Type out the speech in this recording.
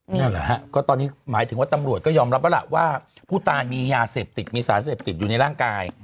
นั่นแหละฮะก็ตอนนี้หมายถึงว่าตำรวจก็ยอมรับแล้วล่ะว่าผู้ตายมียาเสพติดมีสารเสพติดอยู่ในร่างกาย